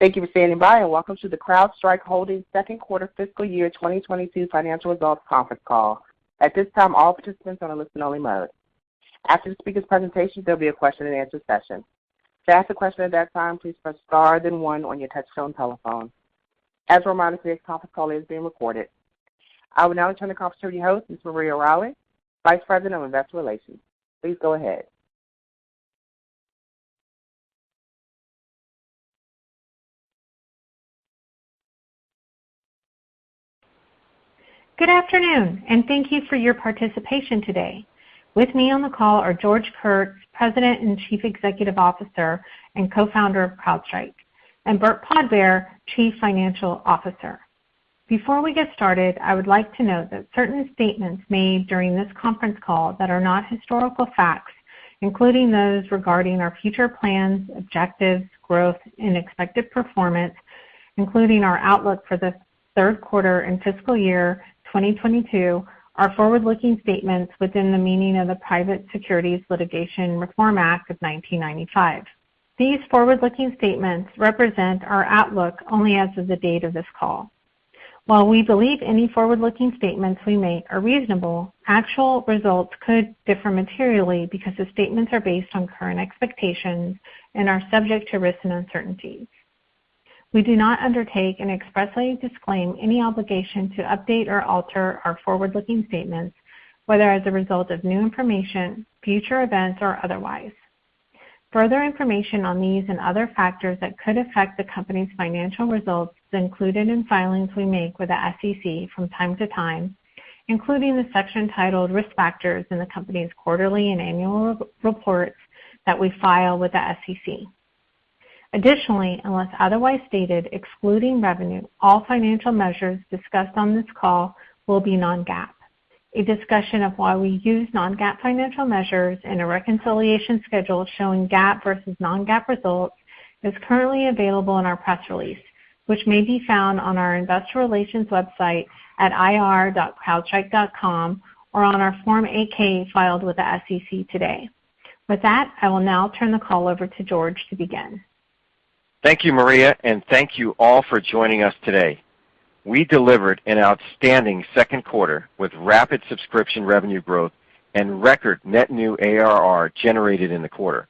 Thank you for standing by, and Welcome to the CrowdStrike Holdings Second Quarter Fiscal Year 2022 financial results conference call. I will now turn the conference to your host, Ms. Maria Riley, Vice President of Investor Relations. Please go ahead. Good afternoon, and thank you for your participation today. With me on the call are George Kurtz, President and Chief Executive Officer and Co-founder of CrowdStrike, and Burt Podbere, Chief Financial Officer. Before we get started, I would like to note that certain statements made during this conference call that are not historical facts, including those regarding our future plans, objectives, growth, and expected performance, including our outlook for the third quarter and fiscal year 2022, are forward-looking statements within the meaning of the Private Securities Litigation Reform Act of 1995. These forward-looking statements represent our outlook only as of the date of this call. While we believe any forward-looking statements we make are reasonable, actual results could differ materially because the statements are based on current expectations and are subject to risks and uncertainties. We do not undertake and expressly disclaim any obligation to update or alter our forward-looking statements, whether as a result of new information, future events, or otherwise. Further information on these and other factors that could affect the company's financial results is included in filings we make with the SEC from time to time, including the section titled Risk Factors in the company's quarterly and annual reports that we file with the SEC. Additionally, unless otherwise stated, excluding revenue, all financial measures discussed on this call will be non-GAAP. A discussion of why we use non-GAAP financial measures and a reconciliation schedule showing GAAP versus non-GAAP results is currently available in our press release, which may be found on our investor relations website at ir.crowdstrike.com or on our Form 8-K filed with the SEC today. With that, I will now turn the call over to George to begin. Thank you, Maria, and thank you all for joining us today. We delivered an outstanding second quarter with rapid subscription revenue growth and record net new ARR generated in the quarter.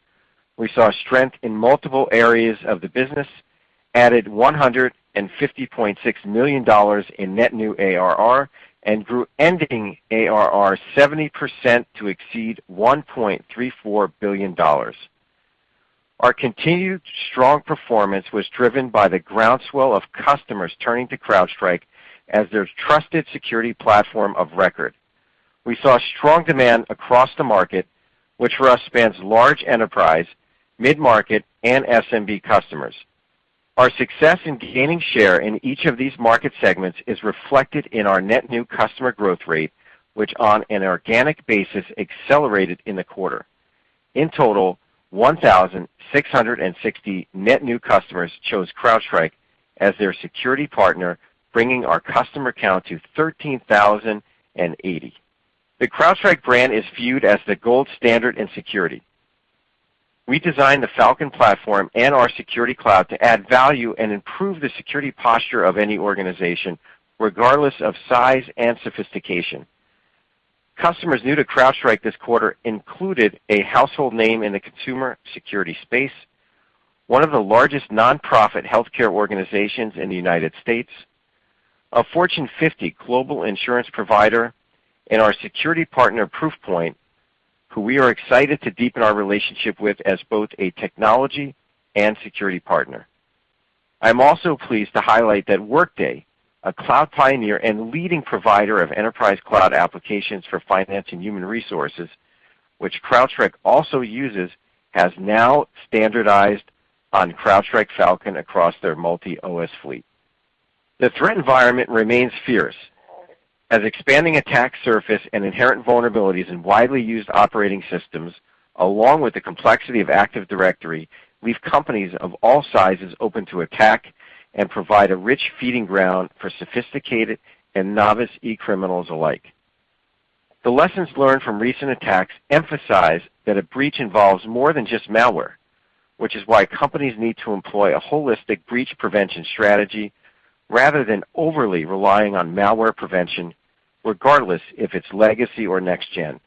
We saw strength in multiple areas of the business, added $150.6 million in net new ARR, and grew ending ARR 70% to exceed $1.34 billion. Our continued strong performance was driven by the groundswell of customers turning to CrowdStrike as their trusted security platform of record. We saw strong demand across the market, which for us spans large enterprise, mid-market, and SMB customers. Our success in gaining share in each of these market segments is reflected in our net new customer growth rate, which on an organic basis accelerated in the quarter. In total, 1,660 net new customers chose CrowdStrike as their security partner, bringing our customer count to 13,080. The CrowdStrike brand is viewed as the gold standard in security. We designed the Falcon platform and our Security Cloud to add value and improve the security posture of any organization, regardless of size and sophistication. Customers new to CrowdStrike this quarter included a household name in the consumer security space, one of the largest nonprofit healthcare organizations in the United States, a Fortune 50 global insurance provider, and our security partner, Proofpoint, who we are excited to deepen our relationship with as both a technology and security partner. I am also pleased to highlight that Workday, a cloud pioneer and leading provider of enterprise cloud applications for finance and human resources, which CrowdStrike also uses, has now standardized on CrowdStrike Falcon across their multi-OS fleet. The threat environment remains fierce, as expanding attack surface and inherent vulnerabilities in widely used operating systems, along with the complexity of Active Directory, leave companies of all sizes open to attack and provide a rich feeding ground for sophisticated and novice e-criminals alike. The lessons learned from recent attacks emphasize that a breach involves more than just malware, which is why companies need to employ a holistic breach prevention strategy rather than overly relying on malware prevention, regardless if it's legacy or next gen.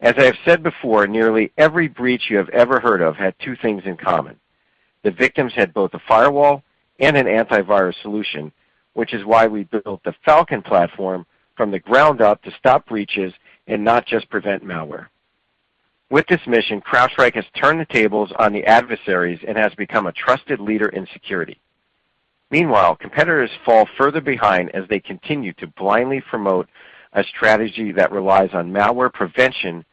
As I have said before, nearly every breach you have ever heard of had two things in common. The victims had both a firewall and an antivirus solution, which is why we built the Falcon platform from the ground up to stop breaches and not just prevent malware. With this mission, CrowdStrike has turned the tables on the adversaries and has become a trusted leader in security. Meanwhile, competitors fall further behind as they continue to blindly promote a strategy that relies on malware prevention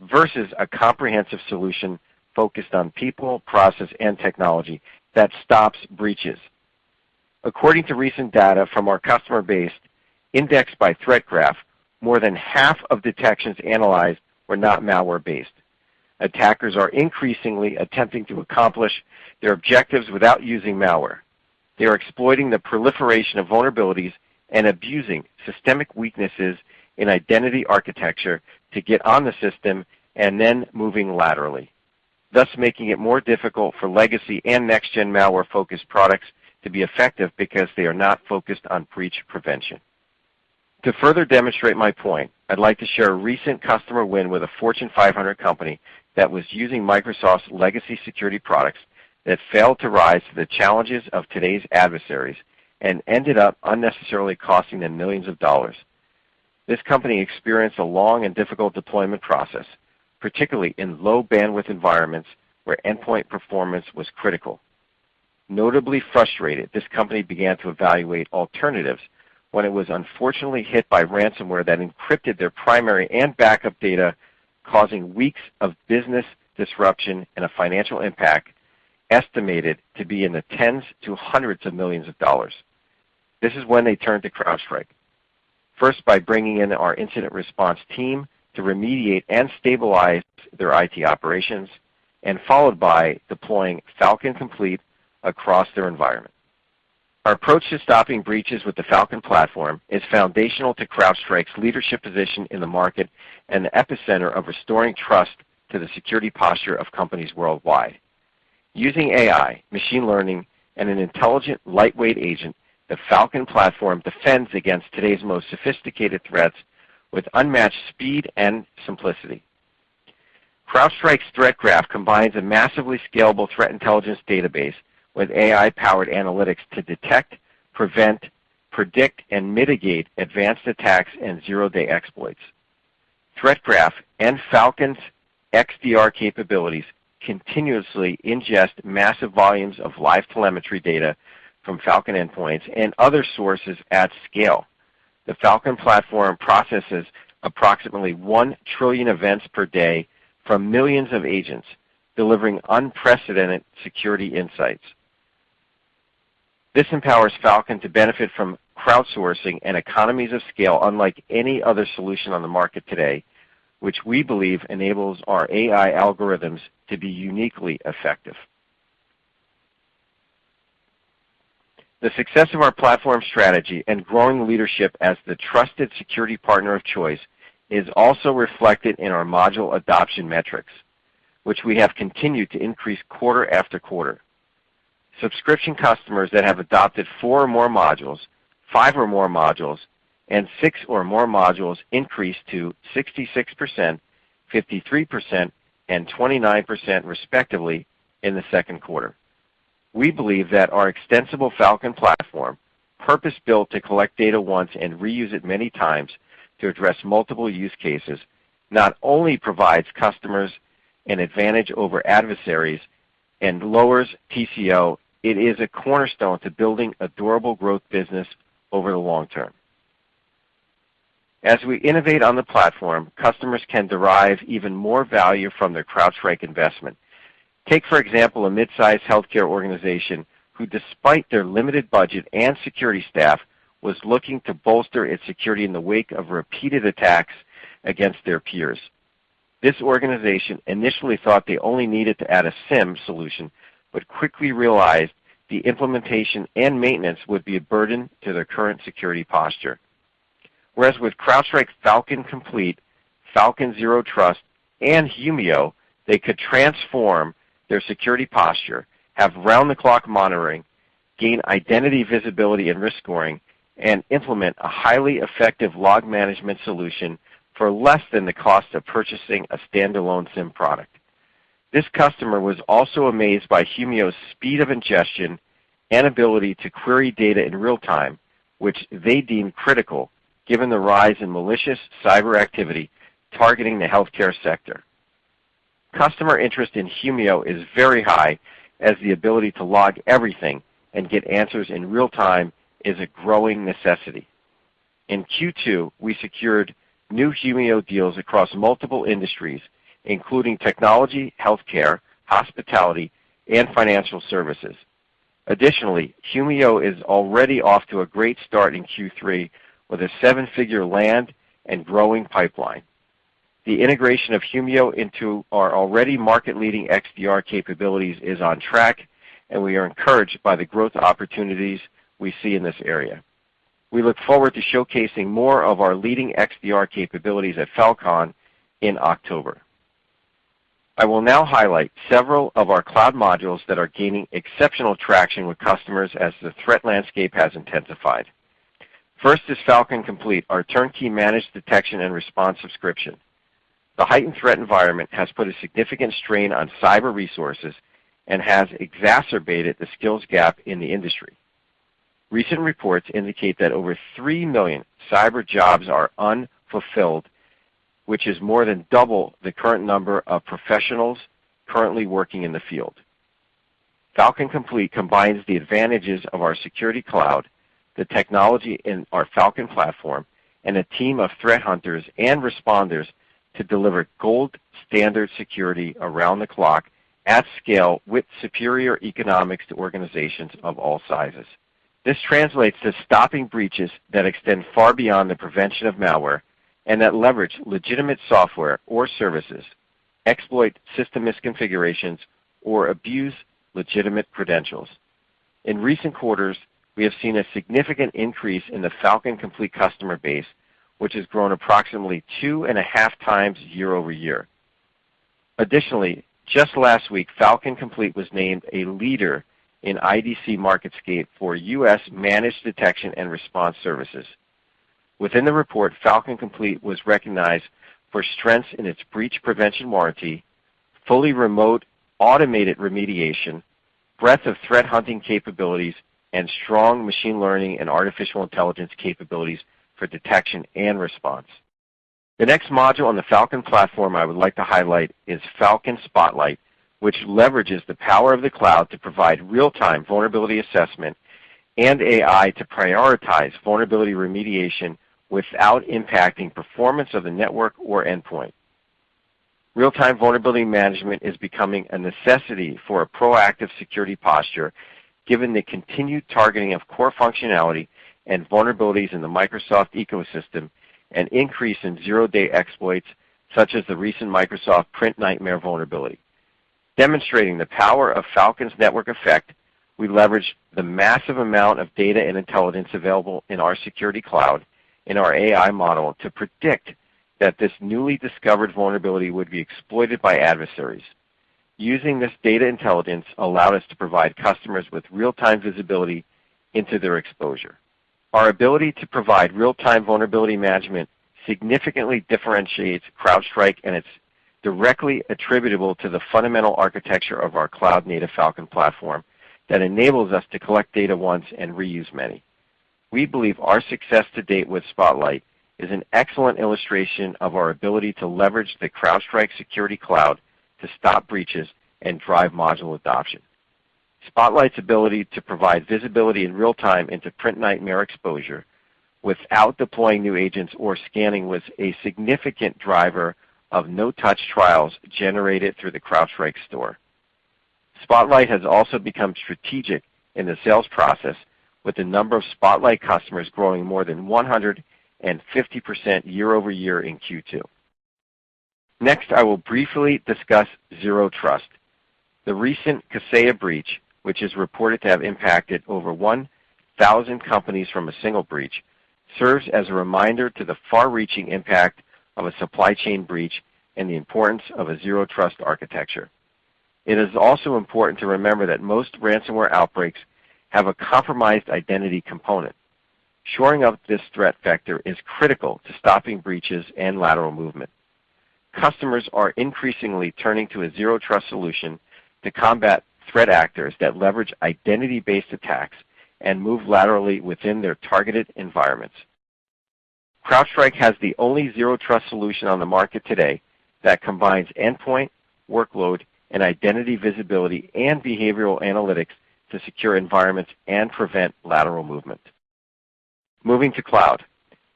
versus a comprehensive solution focused on people, process, and technology that stops breaches. According to recent data from our customer base indexed by Threat Graph, more than half of detections analyzed were not malware-based. Attackers are increasingly attempting to accomplish their objectives without using malware. They are exploiting the proliferation of vulnerabilities and abusing systemic weaknesses in identity architecture to get on the system and then moving laterally, thus making it more difficult for legacy and next-gen malware-focused products to be effective because they are not focused on breach prevention. To further demonstrate my point, I'd like to share a recent customer win with a Fortune 500 company that was using Microsoft's legacy security products that failed to rise to the challenges of today's adversaries and ended up unnecessarily costing them millions of dollars. This company experienced a long and difficult deployment process, particularly in low-bandwidth environments where endpoint performance was critical. Notably frustrated, this company began to evaluate alternatives when it was unfortunately hit by ransomware that encrypted their primary and backup data, causing weeks of business disruption and a financial impact estimated to be in the tens to hundreds of millions of dollars. This is when they turned to CrowdStrike, first by bringing in our incident response team to remediate and stabilize their IT operations, and followed by deploying Falcon Complete across their environment. Our approach to stopping breaches with the Falcon platform is foundational to CrowdStrike's leadership position in the market and the epicenter of restoring trust to the security posture of companies worldwide. Using AI, machine learning, and an intelligent lightweight agent, the Falcon platform defends against today's most sophisticated threats with unmatched speed and simplicity. CrowdStrike's Threat Graph combines a massively scalable threat intelligence database with AI-powered analytics to detect, prevent, predict, and mitigate advanced attacks and zero-day exploits. Threat Graph and Falcon's XDR capabilities continuously ingest massive volumes of live telemetry data from Falcon endpoints and other sources at scale. The Falcon platform processes approximately 1 trillion events per day from millions of agents, delivering unprecedented security insights. This empowers Falcon to benefit from crowdsourcing and economies of scale unlike any other solution on the market today, which we believe enables our AI algorithms to be uniquely effective. The success of our platform strategy and growing leadership as the trusted security partner of choice is also reflected in our module adoption metrics, which we have continued to increase quarter after quarter. Subscription customers that have adopted four or more modules, five or more modules, and six or more modules increased to 66%, 53%, and 29% respectively in the second quarter. We believe that our extensible Falcon platform, purpose-built to collect data once and reuse it many times to address multiple use cases, not only provides customers an advantage over adversaries and lowers TCO, it is a cornerstone to building a durable growth business over the long term. As we innovate on the platform, customers can derive even more value from their CrowdStrike investment. Take, for example, a midsize healthcare organization who, despite their limited budget and security staff, was looking to bolster its security in the wake of repeated attacks against their peers. This organization initially thought they only needed to add a SIEM solution, but quickly realized the implementation and maintenance would be a burden to their current security posture. With CrowdStrike's Falcon Complete, Falcon Zero Trust, and Humio, they could transform their security posture, have round-the-clock monitoring, gain identity visibility and risk scoring, and implement a highly effective log management solution for less than the cost of purchasing a standalone SIEM product. This customer was also amazed by Humio's speed of ingestion and ability to query data in real time, which they deemed critical given the rise in malicious cyber activity targeting the healthcare sector. Customer interest in Humio is very high, as the ability to log everything and get answers in real time is a growing necessity. In Q2, we secured new Humio deals across multiple industries, including technology, healthcare, hospitality, and financial services. Additionally, Humio is already off to a great start in Q3 with a seven-figure land and growing pipeline. The integration of Humio into our already market-leading XDR capabilities is on track, and we are encouraged by the growth opportunities we see in this area. We look forward to showcasing more of our leading XDR capabilities at Falcon in October. I will now highlight several of our cloud modules that are gaining exceptional traction with customers as the threat landscape has intensified. First is Falcon Complete, our turnkey managed detection and response subscription. The heightened threat environment has put a significant strain on cyber resources and has exacerbated the skills gap in the industry. Recent reports indicate that over 3 million cyber jobs are unfulfilled, which is more than double the current number of professionals currently working in the field. Falcon Complete combines the advantages of our security cloud, the technology in our Falcon platform, and a team of threat hunters and responders to deliver gold-standard security around the clock at scale with superior economics to organizations of all sizes. This translates to stopping breaches that extend far beyond the prevention of malware and that leverage legitimate software or services, exploit system misconfigurations or abuse legitimate credentials. In recent quarters, we have seen a significant increase in the Falcon Complete customer base, which has grown approximately 2.5x year-over-year. Additionally, just last week, Falcon Complete was named a leader in IDC MarketScape for U.S. Managed Detection and Response Services. Within the report, Falcon Complete was recognized for strengths in its breach prevention warranty, fully remote automated remediation, breadth of threat hunting capabilities, and strong machine learning and artificial intelligence capabilities for detection and response. The next module on the Falcon platform I would like to highlight is Falcon Spotlight, which leverages the power of the cloud to provide real-time vulnerability assessment and AI to prioritize vulnerability remediation without impacting performance of the network or endpoint. Real-time vulnerability management is becoming a necessity for a proactive security posture given the continued targeting of core functionality and vulnerabilities in the Microsoft ecosystem and increase in zero-day exploits such as the recent Microsoft PrintNightmare vulnerability. Demonstrating the power of Falcon's network effect, we leveraged the massive amount of data and intelligence available in our Security Cloud in our AI model to predict that this newly discovered vulnerability would be exploited by adversaries. Using this data intelligence allowed us to provide customers with real-time visibility into their exposure. Our ability to provide real-time vulnerability management significantly differentiates CrowdStrike, and it's directly attributable to the fundamental architecture of our cloud-native Falcon platform that enables us to collect data once and reuse many. We believe our success to date with Spotlight is an excellent illustration of our ability to leverage the CrowdStrike Security Cloud to stop breaches and drive module adoption. Spotlight's ability to provide visibility in real time into PrintNightmare exposure without deploying new agents or scanning was a significant driver of no-touch trials generated through the CrowdStrike Store. Spotlight has also become strategic in the sales process, with the number of Spotlight customers growing more than 150% year-over-year in Q2. Next, I will briefly discuss Zero Trust. The recent Kaseya breach, which is reported to have impacted over 1,000 companies from a single breach, serves as a reminder to the far-reaching impact of a supply chain breach and the importance of a Zero Trust architecture. It is also important to remember that most ransomware outbreaks have a compromised identity component. Shoring up this threat vector is critical to stopping breaches and lateral movement. Customers are increasingly turning to a Zero Trust solution to combat threat actors that leverage identity-based attacks and move laterally within their targeted environments. CrowdStrike has the only Zero Trust solution on the market today that combines endpoint workload and identity visibility and behavioral analytics to secure environments and prevent lateral movement. Moving to cloud.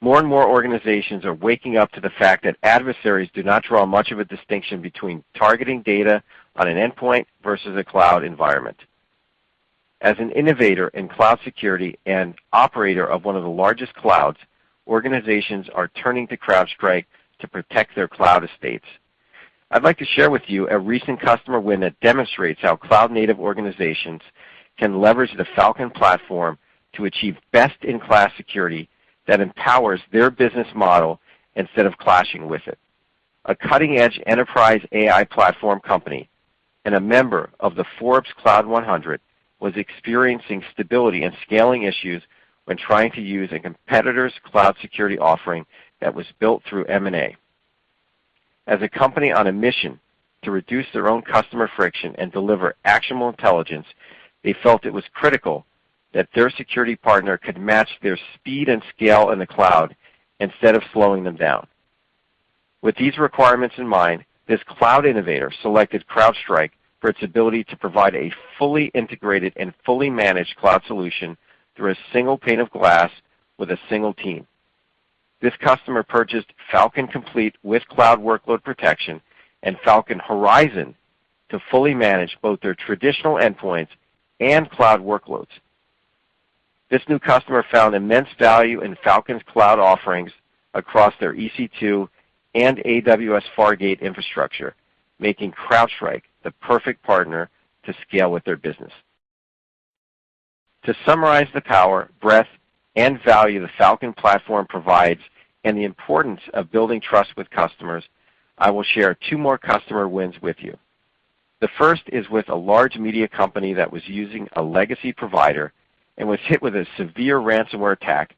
More and more organizations are waking up to the fact that adversaries do not draw much of a distinction between targeting data on an endpoint versus a cloud environment. As an innovator in cloud security and operator of one of the largest clouds, organizations are turning to CrowdStrike to protect their cloud estates. I'd like to share with you a recent customer win that demonstrates how cloud-native organizations can leverage the Falcon platform to achieve best-in-class security that empowers their business model instead of clashing with it. A cutting edge enterprise AI platform company and a member of the Forbes Cloud 100 was experiencing stability and scaling issues when trying to use a competitor's cloud security offering that was built through M&A. As a company on a mission to reduce their own customer friction and deliver actionable intelligence, they felt it was critical that their security partner could match their speed and scale in the cloud instead of slowing them down. With these requirements in mind, this cloud innovator selected CrowdStrike for its ability to provide a fully integrated and fully managed cloud solution through a single pane of glass with a single team. This customer purchased Falcon Complete with Cloud Workload Protection and Falcon Horizon to fully manage both their traditional endpoints and cloud workloads. This new customer found immense value in Falcon's cloud offerings across their Amazon EC2 and AWS Fargate infrastructure, making CrowdStrike the perfect partner to scale with their business. To summarize the power, breadth, and value the Falcon platform provides and the importance of building trust with customers, I will share two more customer wins with you. The first is with a large media company that was using a legacy provider and was hit with a severe ransomware attack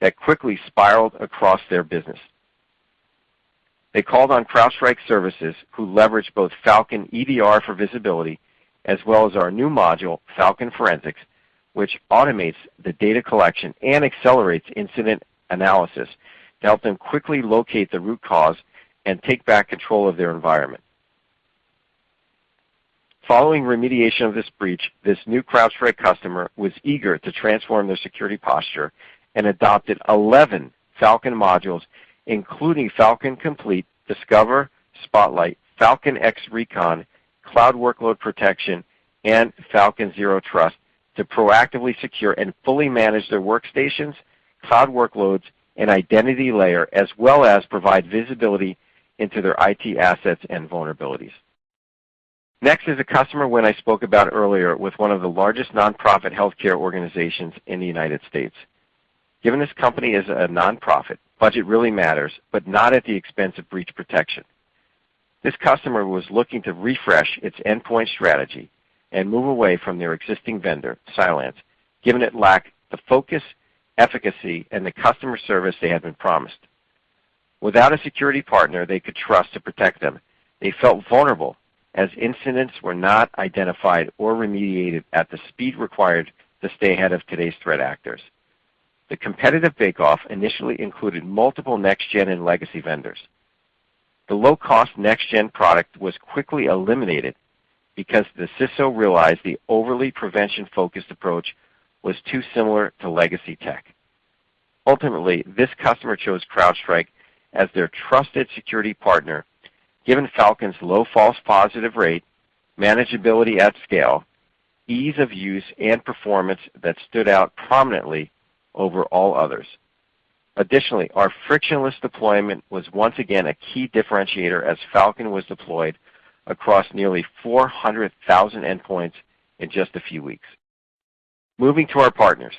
that quickly spiraled across their business. They called on CrowdStrike Services, who leveraged both Falcon EDR for visibility as well as our new module, Falcon Forensics, which automates the data collection and accelerates incident analysis to help them quickly locate the root cause and take back control of their environment. Following remediation of this breach, this new CrowdStrike customer was eager to transform their security posture and adopted 11 Falcon modules, including Falcon Complete, Discover, Spotlight, Falcon X Recon, Cloud Workload Protection, and Falcon Zero Trust to proactively secure and fully manage their workstations, cloud workloads and identity layer, as well as provide visibility into their IT assets and vulnerabilities. Next is a customer win I spoke about earlier with one of the largest nonprofit healthcare organizations in the United States. Given this company is a nonprofit, budget really matters, but not at the expense of breach protection. This customer was looking to refresh its endpoint strategy and move away from their existing vendor, Cylance, given it lacked the focus, efficacy, and the customer service they had been promised. Without a security partner they could trust to protect them, they felt vulnerable as incidents were not identified or remediated at the speed required to stay ahead of today's threat actors. The competitive bake-off initially included multiple next-gen and legacy vendors. The low-cost next-gen product was quickly eliminated because the CISO realized the overly prevention-focused approach was too similar to legacy tech. Ultimately, this customer chose CrowdStrike as their trusted security partner, given Falcon's low false positive rate, manageability at scale, ease of use, and performance that stood out prominently over all others. Additionally, our frictionless deployment was once again a key differentiator as Falcon was deployed across nearly 400,000 endpoints in just a few weeks. Moving to our partners.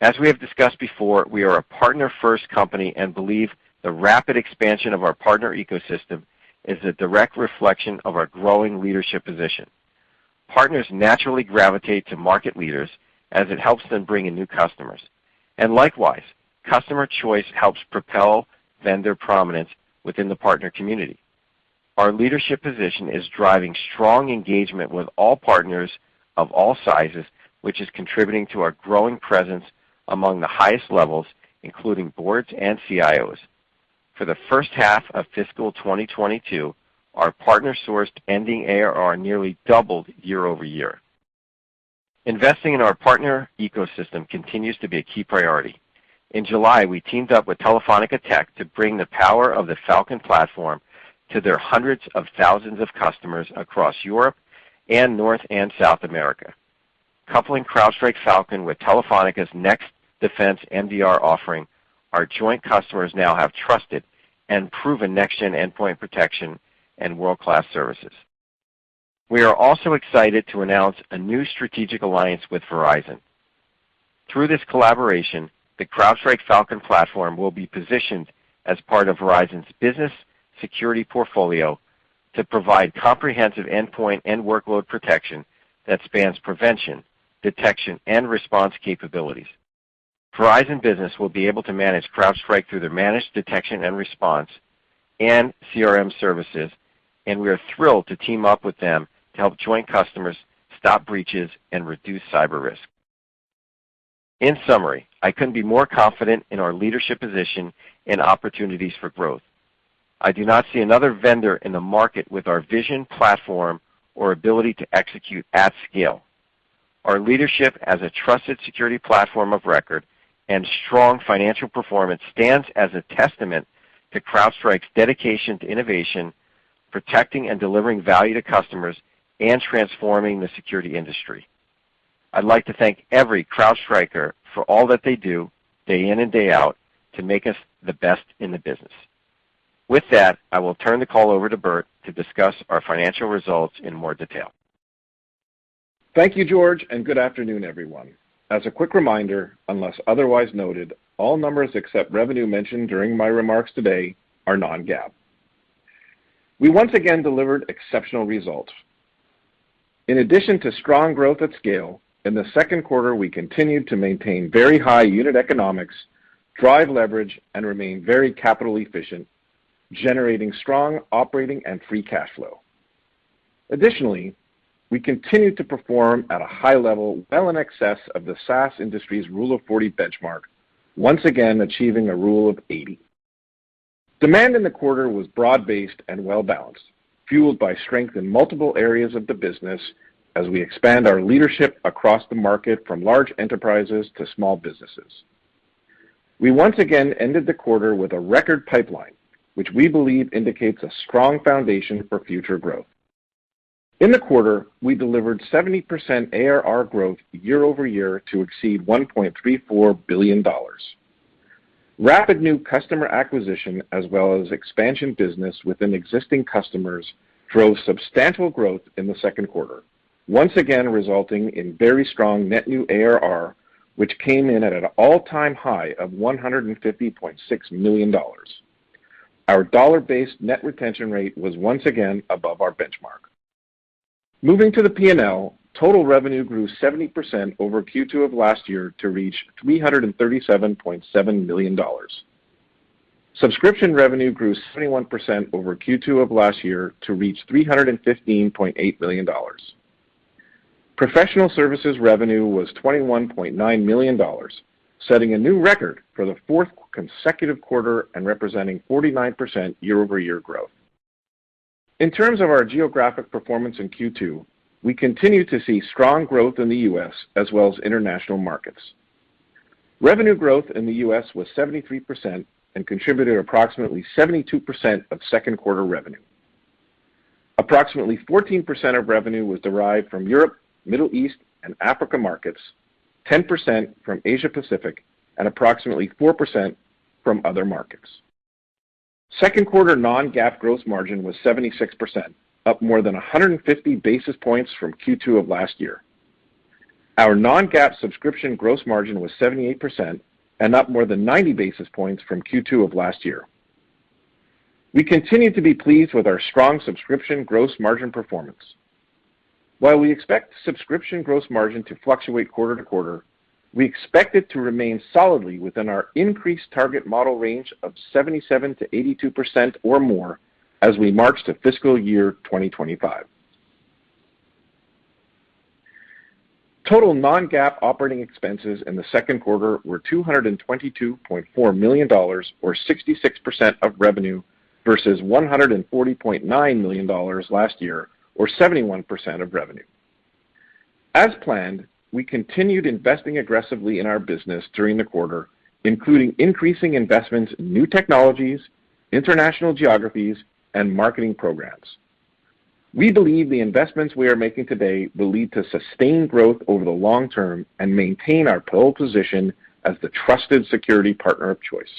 As we have discussed before, we are a partner-first company and believe the rapid expansion of our partner ecosystem is a direct reflection of our growing leadership position. Partners naturally gravitate to market leaders as it helps them bring in new customers. Likewise, customer choice helps propel vendor prominence within the partner community. Our leadership position is driving strong engagement with all partners of all sizes, which is contributing to our growing presence among the highest levels, including boards and CIOs. For the first half of fiscal 2022, our partner-sourced ending ARR nearly doubled year-over-year. Investing in our partner ecosystem continues to be a key priority. In July, we teamed up with Telefónica Tech to bring the power of the Falcon platform to their hundreds of thousands of customers across Europe and North and South America. Coupling CrowdStrike Falcon with Telefónica's NextDefense MDR offering, our joint customers now have trusted and proven next-gen endpoint protection and world-class services. We are also excited to announce a new strategic alliance with Verizon. Through this collaboration, the CrowdStrike Falcon platform will be positioned as part of Verizon Business security portfolio to provide comprehensive endpoint and workload protection that spans prevention, detection, and response capabilities. Verizon Business will be able to manage CrowdStrike through their managed detection and response and CRM services, and we are thrilled to team up with them to help joint customers stop breaches and reduce cyber risk. In summary, I couldn't be more confident in our leadership position and opportunities for growth. I do not see another vendor in the market with our vision, platform, or ability to execute at scale. Our leadership as a trusted security platform of record and strong financial performance stands as a testament to CrowdStrike's dedication to innovation, protecting and delivering value to customers, and transforming the security industry. I'd like to thank every CrowdStriker for all that they do day in and day out to make us the best in the business. With that, I will turn the call over to Burt to discuss our financial results in more detail. Thank you, George, good afternoon, everyone. As a quick reminder, unless otherwise noted, all numbers except revenue mentioned during my remarks today are non-GAAP. We once again delivered exceptional results. In addition to strong growth at scale, in the second quarter, we continued to maintain very high unit economics, drive leverage, and remain very capital efficient, generating strong operating and free cash flow. Additionally, we continued to perform at a high level well in excess of the SaaS industry's rule of 40 benchmark, once again achieving a rule of 80. Demand in the quarter was broad-based and well-balanced, fueled by strength in multiple areas of the business as we expand our leadership across the market from large enterprises to small businesses. We once again ended the quarter with a record pipeline, which we believe indicates a strong foundation for future growth. In the quarter, we delivered 70% ARR growth year-over-year to exceed $1.34 billion. Rapid new customer acquisition as well as expansion business within existing customers drove substantial growth in the second quarter, once again resulting in very strong net new ARR, which came in at an all-time high of $150.6 million. Our dollar-based net retention rate was once again above our benchmark. Moving to the P&L, total revenue grew 70% over Q2 of last year to reach $337.7 million. Subscription revenue grew 71% over Q2 of last year to reach $315.8 million. Professional services revenue was $21.9 million, setting a new record for the fourth consecutive quarter and representing 49% year-over-year growth. In terms of our geographic performance in Q2, we continued to see strong growth in the U.S. as well as international markets. Revenue growth in the U.S. was 73% and contributed approximately 72% of second quarter revenue. Approximately 14% of revenue was derived from Europe, Middle East, and Africa markets, 10% from Asia Pacific, and approximately 4% from other markets. Second quarter non-GAAP gross margin was 76%, up more than 150 basis points from Q2 of last year. Our non-GAAP subscription gross margin was 78% and up more than 90 basis points from Q2 of last year. We continue to be pleased with our strong subscription gross margin performance. While we expect subscription gross margin to fluctuate quarter to quarter, we expect it to remain solidly within our increased target model range of 77%-82% or more as we march to fiscal year 2025. Total non-GAAP operating expenses in the second quarter were $222.4 million, or 66% of revenue, versus $140.9 million last year, or 71% of revenue. As planned, we continued investing aggressively in our business during the quarter, including increasing investments in new technologies, international geographies, and marketing programs. We believe the investments we are making today will lead to sustained growth over the long term and maintain our pole position as the trusted security partner of choice.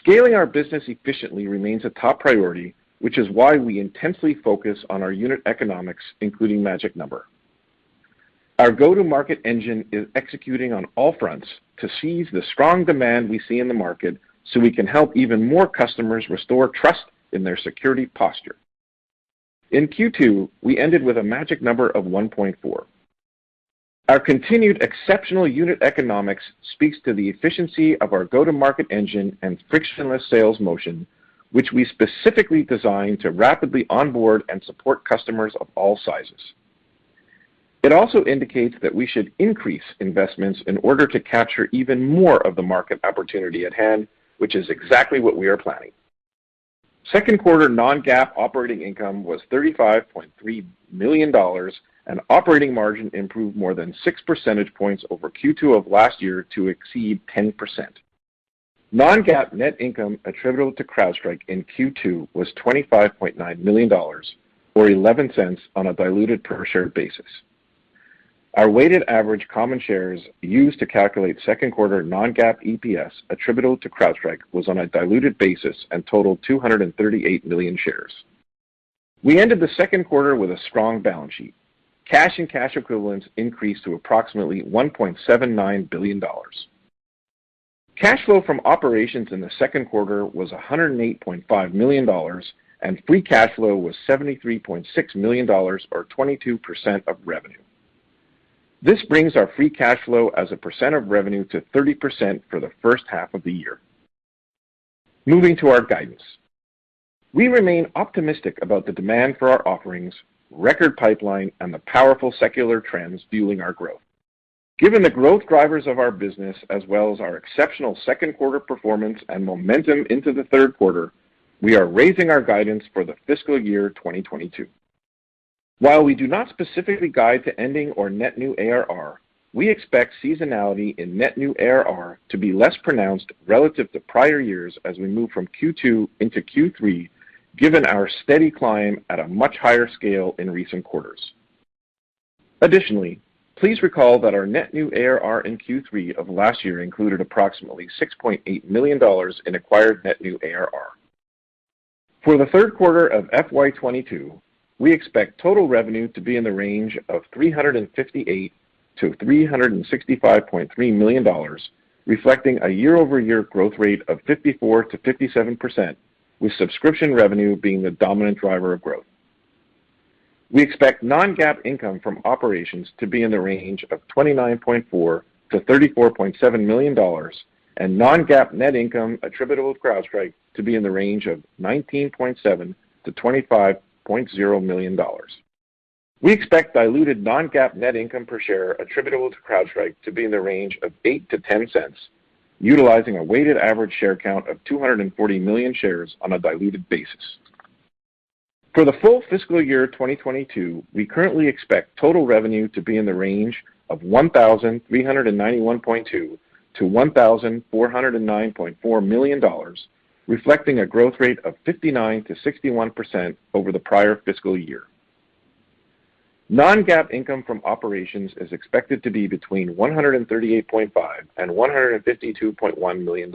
Scaling our business efficiently remains a top priority, which is why we intensely focus on our unit economics, including magic number. Our go-to-market engine is executing on all fronts to seize the strong demand we see in the market so we can help even more customers restore trust in their security posture. In Q2, we ended with a magic number of 1.4. Our continued exceptional unit economics speaks to the efficiency of our go-to-market engine and frictionless sales motion, which we specifically designed to rapidly onboard and support customers of all sizes. It also indicates that we should increase investments in order to capture even more of the market opportunity at hand, which is exactly what we are planning. Second quarter non-GAAP operating income was $35.3 million, operating margin improved more than six percentage points over Q2 of last year to exceed 10%. Non-GAAP net income attributable to CrowdStrike in Q2 was $25.9 million, or $0.11 on a diluted per share basis. Our weighted average common shares used to calculate second quarter non-GAAP EPS attributable to CrowdStrike was on a diluted basis and totaled 238 million shares. We ended the second quarter with a strong balance sheet. Cash and cash equivalents increased to approximately $1.79 billion. Cash flow from operations in the second quarter was $108.5 million, and free cash flow was $73.6 million, or 22% of revenue. This brings our free cash flow as a percent of revenue to 30% for the first half of the year. Moving to our guidance. We remain optimistic about the demand for our offerings, record pipeline, and the powerful secular trends fueling our growth. Given the growth drivers of our business, as well as our exceptional second quarter performance and momentum into the third quarter, we are raising our guidance for the fiscal year 2022. While we do not specifically guide to ending or net new ARR, we expect seasonality in net new ARR to be less pronounced relative to prior years as we move from Q2 into Q3, given our steady climb at a much higher scale in recent quarters. Additionally, please recall that our net new ARR in Q3 of last year included approximately $6.8 million in acquired net new ARR. For the third quarter of FY 2022, we expect total revenue to be in the range of $358 million-$365.3 million, reflecting a year-over-year growth rate of 54%-57%, with subscription revenue being the dominant driver of growth. We expect non-GAAP income from operations to be in the range of $29.4 million-$34.7 million and non-GAAP net income attributable to CrowdStrike to be in the range of $19.7 million-$25.0 million. We expect diluted non-GAAP net income per share attributable to CrowdStrike to be in the range of $0.08-$0.10, utilizing a weighted average share count of 240 million shares on a diluted basis. For the full fiscal year 2022, we currently expect total revenue to be in the range of $1,391.2 million-$1,409.4 million, reflecting a growth rate of 59%-61% over the prior fiscal year. Non-GAAP income from operations is expected to be between $138.5 million and $152.1 million.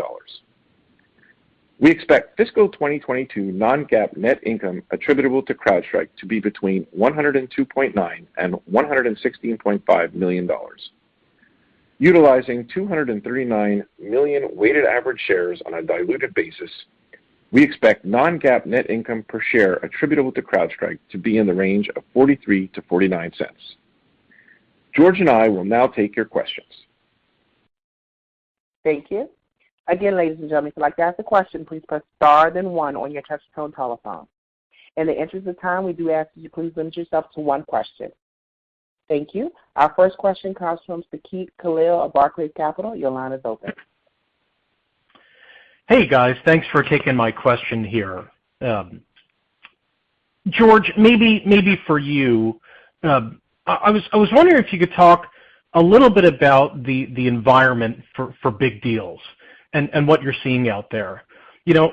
We expect fiscal 2022 non-GAAP net income attributable to CrowdStrike to be between $102.9 million and $116.5 million. Utilizing 239 million weighted average shares on a diluted basis, we expect non-GAAP net income per share attributable to CrowdStrike to be in the range of $0.43-$0.49. George and I will now take your questions. Thank you. Again, ladies and gentlemen, if you'd like to ask a question, please press star then one on your touchtone telephone. In the interest of time, we do ask that you please limit yourself to one question. Thank you. Our first question comes from Saket Kalia of Barclays Capital. Your line is open. Hey, guys. Thanks for taking my question here. George, maybe for you. I was wondering if you could talk a little bit about the environment for big deals and what you're seeing out there.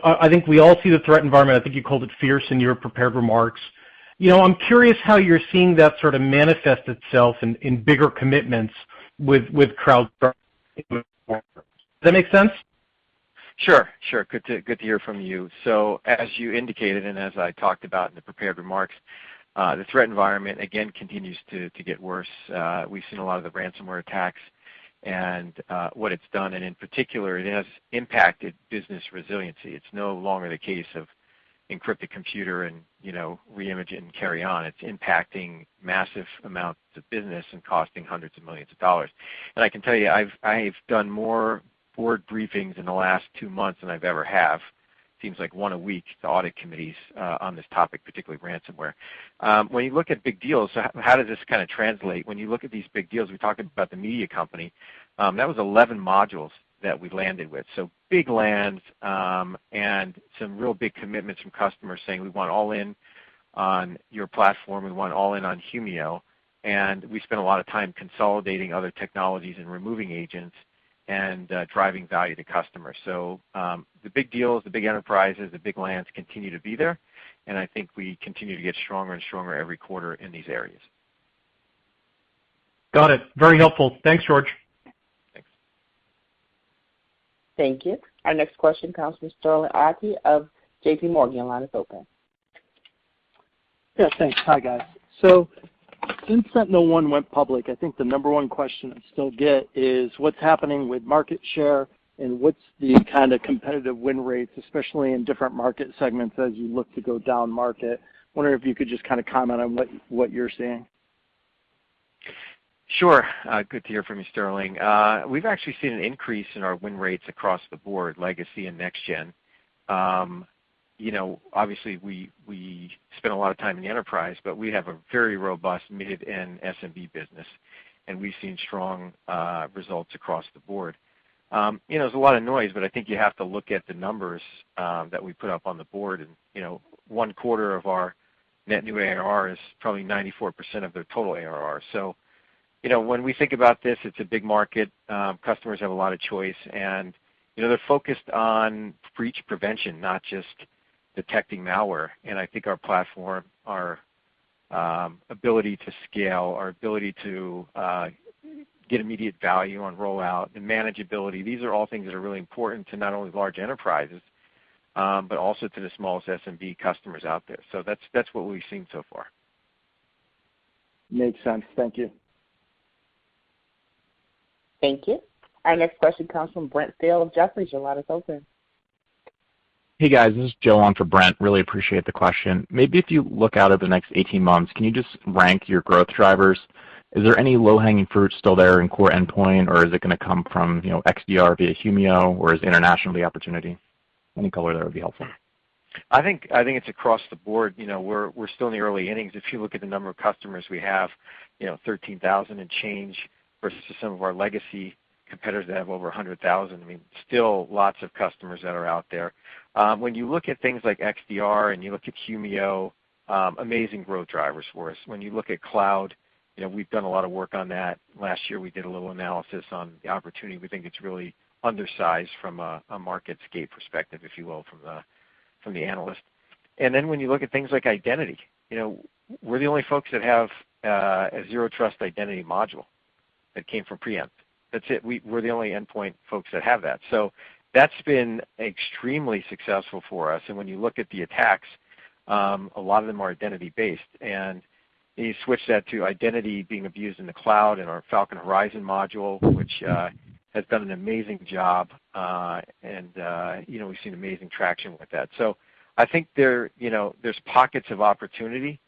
I think we all see the threat environment, I think you called it fierce in your prepared remarks. I'm curious how you're seeing that sort of manifest itself in bigger commitments with CrowdStrike. Does that make sense? Sure. As you indicated, and as I talked about in the prepared remarks, the threat environment again continues to get worse. We've seen a lot of the ransomware attacks and what it's done, and in particular, it has impacted business resiliency. It's no longer the case of encrypt the computer and re-image it and carry on. It's impacting massive amounts of business and costing hundreds of millions of dollars. I can tell you, I've done more board briefings in the last two months than I ever have. Seems like one a week to audit committees, on this topic, particularly ransomware. When you look at big deals, how does this kind of translate? When you look at these big deals, we talked about the media company, that was 11 modules that we landed with. Big lands, and some real big commitments from customers saying, "We want all in on your platform. We want all in on Humio." We spent a lot of time consolidating other technologies and removing agents and driving value to customers. The big deals, the big enterprises, the big lands continue to be there, and I think we continue to get stronger and stronger every quarter in these areas. Got it. Very helpful. Thanks, George. Thanks. Thank you. Our next question comes from Sterling Auty of JPMorgan. Your line is open. Yeah, thanks. Hi, guys. Since SentinelOne went public, I think the number one question I still get is what's happening with market share and what's the kind of competitive win rates, especially in different market segments as you look to go down market? Wondering if you could just kind of comment on what you're seeing. Sure. Good to hear from you, Sterling. We've actually seen an increase in our win rates across the board, legacy and next gen. Obviously, we spend a lot of time in the enterprise, but we have a very robust mid and SMB business, and we've seen strong results across the board. There's a lot of noise, but I think you have to look at the numbers that we put up on the board and one quarter of our net new ARR is probably 94% of their total ARR. When we think about this, it's a big market. Customers have a lot of choice and they're focused on breach prevention, not just detecting malware. I think our platform, our ability to scale, our ability to get immediate value on rollout and manageability, these are all things that are really important to not only large enterprises, but also to the smallest SMB customers out there. That's what we've seen so far. Makes sense. Thank you. Thank you. Our next question comes from Brent Thill of Jefferies. Your line is open. Hey, guys. This is Joe on for Brent. Really appreciate the question. Maybe if you look out at the next 18 months, can you just rank your growth drivers? Is there any low-hanging fruit still there in core endpoint, or is it going to come from XDR via Humio, or is international the opportunity? Any color there would be helpful. I think it's across the board. We're still in the early innings. If you look at the number of customers we have 13,000 and change versus some of our legacy competitors that have over 100,000. I mean, still lots of customers that are out there. When you look at things like XDR and you look at Humio, amazing growth drivers for us. When you look at cloud, we've done a lot of work on that. Last year, we did a little analysis on the opportunity. We think it's really undersized from a market scape perspective, if you will, from the analyst. When you look at things like identity, we're the only folks that have a zero trust identity module that came from Preempt. That's it. We're the only endpoint folks that have that. That's been extremely successful for us. When you look at the attacks, a lot of them are identity based. You switch that to identity being abused in the cloud and our Falcon Horizon module, which has done an amazing job, and we've seen amazing traction with that. I think there's pockets of opportunity,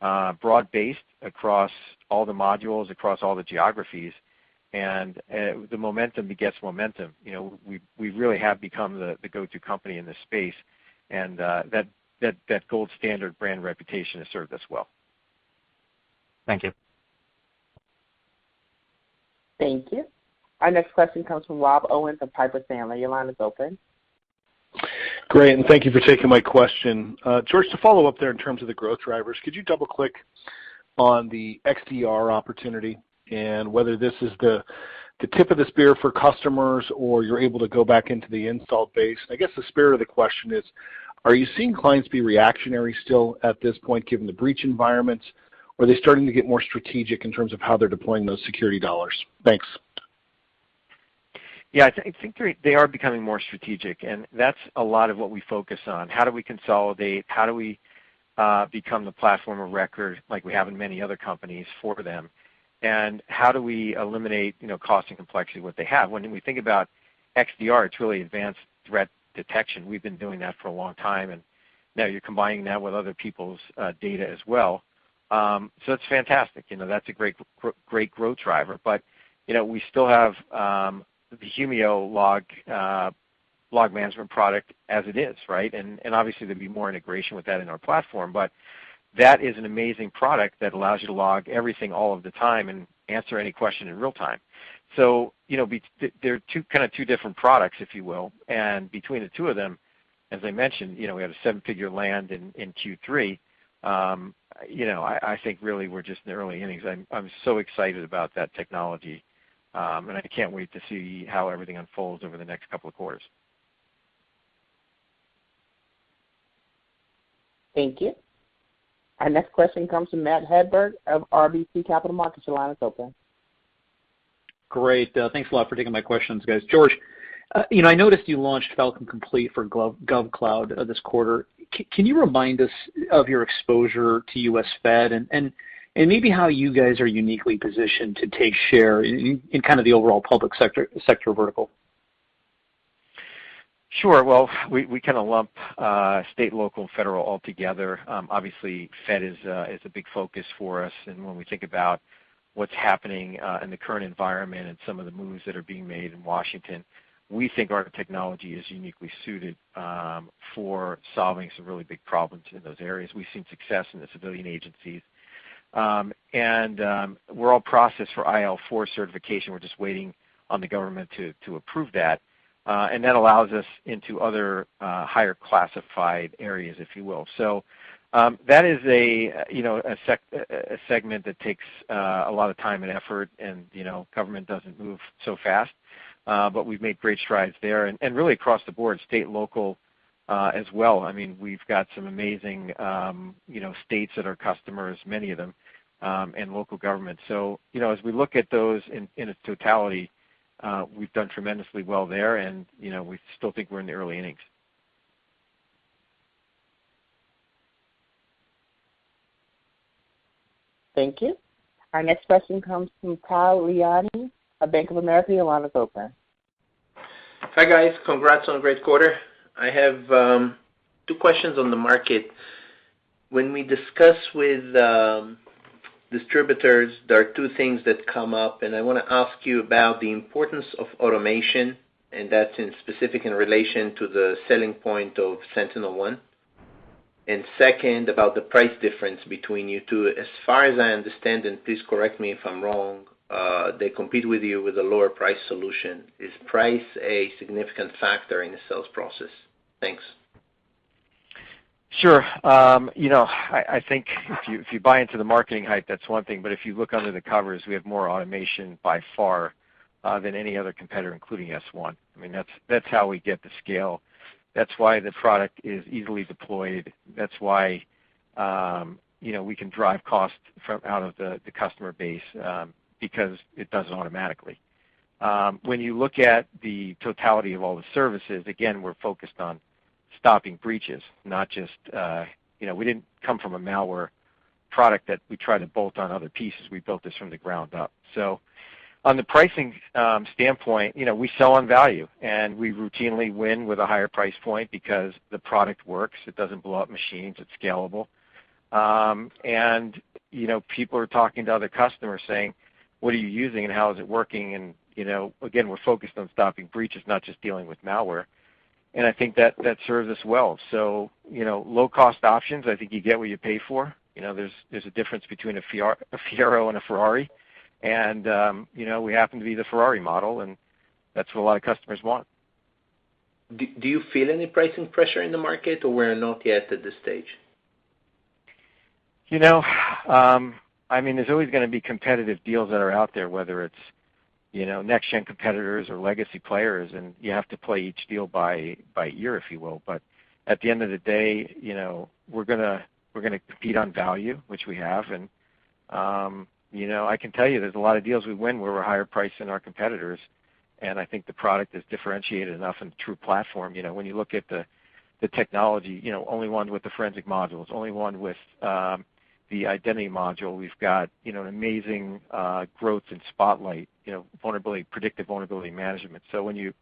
broad-based across all the modules, across all the geographies, and the momentum begets momentum. We really have become the go-to company in this space, and that gold standard brand reputation has served us well. Thank you. Thank you. Our next question comes from Rob Owens of Piper Sandler. Your line is open. Great, thank you for taking my question. George, to follow up there in terms of the growth drivers, could you double-click on the XDR opportunity and whether this is the tip of the spear for customers, or you're able to go back into the install base? I guess the spirit of the question is, are you seeing clients be reactionary still at this point, given the breach environments? Are they starting to get more strategic in terms of how they're deploying those security dollars? Thanks. Yeah, I think they are becoming more strategic, and that's a lot of what we focus on. How do we consolidate? How do we become the platform of record, like we have in many other companies, for them? How do we eliminate cost and complexity, what they have? When we think about XDR, it's really advanced threat detection. We've been doing that for a long time, and now you're combining that with other people's data as well. It's fantastic. That's a great growth driver. We still have the Humio log management product as it is, right? Obviously, there'd be more integration with that in our platform, but that is an amazing product that allows you to log everything all of the time and answer any question in real time. They're two different products, if you will. Between the two of them, as I mentioned, we had a seven-figure land in Q3. I think really we're just in the early innings. I'm so excited about that technology, and I can't wait to see how everything unfolds over the next couple of quarters. Thank you. Our next question comes from Matt Hedberg of RBC Capital Markets. Your line is open. Great. Thanks a lot for taking my questions, guys. George, I noticed you launched Falcon Complete for GovCloud this quarter. Can you remind us of your exposure to U.S. Fed and maybe how you guys are uniquely positioned to take share in kind of the overall public sector vertical? Well, we kind of lump state, local, federal all together. Obviously, Fed is a big focus for us. When we think about what's happening in the current environment and some of the moves that are being made in Washington, we think our technology is uniquely suited for solving some really big problems in those areas. We've seen success in the civilian agencies. We're all processed for IL4 certification. We're just waiting on the government to approve that. That allows us into other higher classified areas, if you will. That is a segment that takes a lot of time and effort and government doesn't move so fast. We've made great strides there and really across the board, state and local as well. We've got some amazing states that are customers, many of them, and local governments. As we look at those in its totality, we've done tremendously well there and we still think we're in the early innings. Thank you. Our next question comes from Tal Liani of Bank of America. Your line is open. Hi, guys. Congrats on a great quarter. I have two questions on the market. When we discuss with distributors, there are two things that come up. I want to ask you about the importance of automation. That's in specific in relation to the selling point of SentinelOne. Second, about the price difference between you two. As far as I understand, please correct me if I'm wrong, they compete with you with a lower price solution. Is price a significant factor in the sales process? Thanks. Sure. I think if you buy into the marketing hype, that's one thing, but if you look under the covers, we have more automation by far than any other competitor, including S1. That's how we get the scale. That's why the product is easily deployed. That's why we can drive cost out of the customer base because it does it automatically. When you look at the totality of all the services, again, we're focused on stopping breaches. We didn't come from a malware product that we try to bolt on other pieces. We built this from the ground up. On the pricing standpoint, we sell on value and we routinely win with a higher price point because the product works. It doesn't blow up machines. It's scalable. People are talking to other customers saying, "What are you using and how is it working?" Again, we're focused on stopping breaches, not just dealing with malware. I think that serves us well. Low cost options, I think you get what you pay for. There's a difference between a Fiero and a Ferrari, and we happen to be the Ferrari model, and that's what a lot of customers want. Do you feel any pricing pressure in the market or we're not yet at this stage? There's always going to be competitive deals that are out there, whether it's next gen competitors or legacy players, and you have to play each deal by ear, if you will. At the end of the day, we're going to compete on value, which we have. I can tell you there's a lot of deals we win where we're higher priced than our competitors, and I think the product is differentiated enough and true platform. When you look at the technology, only one with the forensic modules, only one with the identity module. We've got an amazing growth in Spotlight, predictive vulnerability management. When you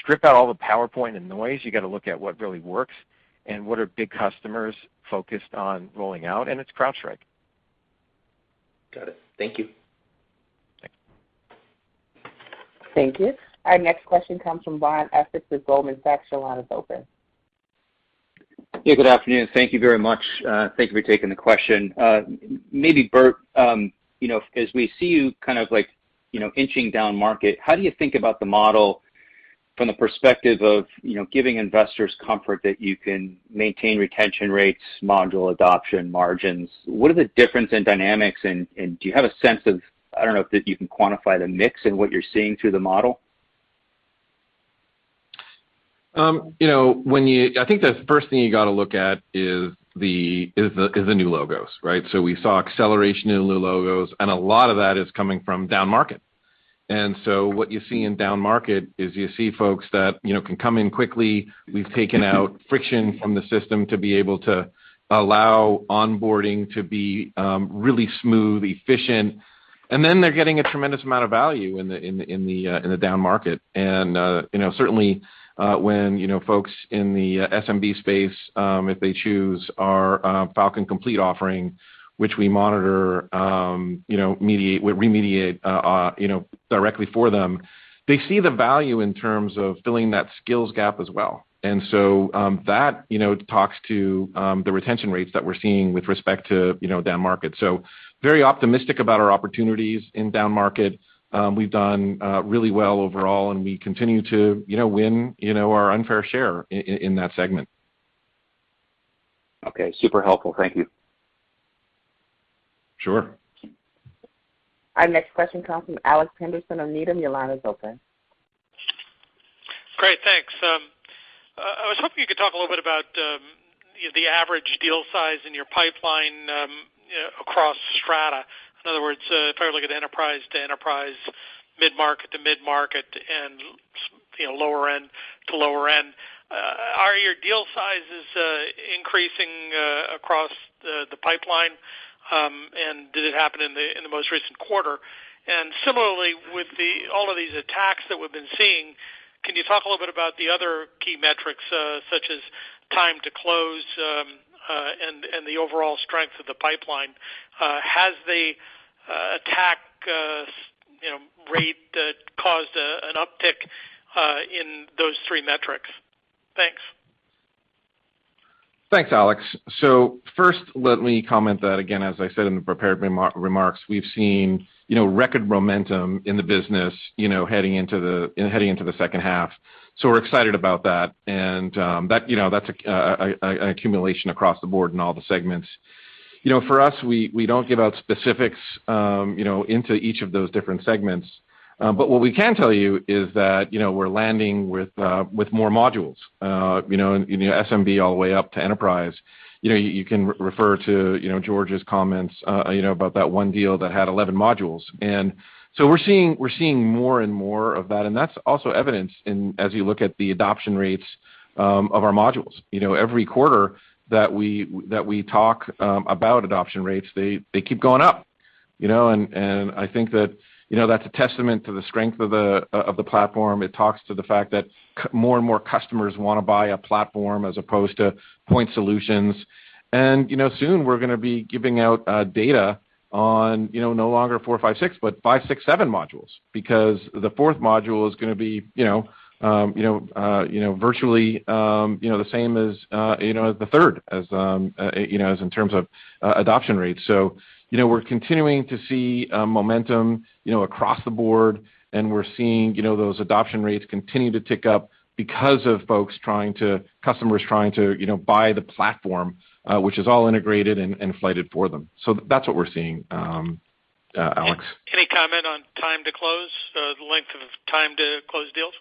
strip out all the PowerPoint and noise, you got to look at what really works and what are big customers focused on rolling out, and it's CrowdStrike. Got it. Thank you. Thank you. Our next question comes from Brian Essex with Goldman Sachs. Your line is open. Yeah, good afternoon. Thank you very much. Thank you for taking the question. Maybe Burt, as we see you kind of inching down market, how do you think about the model from the perspective of giving investors comfort that you can maintain retention rates, module adoption, margins? What are the difference in dynamics, and do you have a sense of, I don't know if you can quantify the mix in what you're seeing through the model? I think the first thing you got to look at is the new logos, right? We saw acceleration in the new logos, and a lot of that is coming from down market. What you see in down market is you see folks that can come in quickly. We've taken out friction from the system to be able to allow onboarding to be really smooth, efficient. Then they're getting a tremendous amount of value in the down market. Certainly when folks in the SMB space, if they choose our Falcon Complete offering, which we monitor, we remediate directly for them. They see the value in terms of filling that skills gap as well. That talks to the retention rates that we're seeing with respect to down market. Very optimistic about our opportunities in down market. We've done really well overall and we continue to win our unfair share in that segment. Okay. Super helpful. Thank you. Sure. Our next question comes from Alex Henderson of Needham. Your line is open. Great, thanks. I was hoping you could talk a little bit about the average deal size in your pipeline across strata. In other words, if I were to look at enterprise to enterprise, mid-market to mid-market, and lower end to lower end, are your deal sizes increasing across the pipeline? Did it happen in the most recent quarter? Similarly, with all of these attacks that we've been seeing, can you talk a little bit about the other key metrics such as time to close and the overall strength of the pipeline? Has the attack rate caused an uptick in those three metrics? Thanks. Thanks, Alex. First let me comment that again, as I said in the prepared remarks, we've seen record momentum in the business heading into the second half. We're excited about that, and that's an accumulation across the board in all the segments. For us, we don't give out specifics into each of those different segments. What we can tell you is that we're landing with more modules, in SMB all the way up to enterprise. You can refer to George's comments about that one deal that had 11 modules. We're seeing more and more of that, and that's also evidenced as you look at the adoption rates of our modules. Every quarter that we talk about adoption rates, they keep going up. I think that's a testament to the strength of the platform. It talks to the fact that more and more customers want to buy a platform as opposed to point solutions. Soon we're going to be giving out data on no longer 4, 5, 6, but 5, 6, 7 modules, because the fourth module is going to be virtually the same as the third in terms of adoption rates. We're continuing to see momentum across the board, and we're seeing those adoption rates continue to tick up because of customers trying to buy the platform, which is all integrated and flighted for them. That's what we're seeing, Alex. Any comment on time to close, the length of time to close deals?